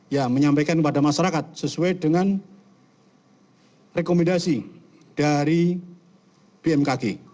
ya menyampaikan kepada masyarakat sesuai dengan rekomendasi dari bmkg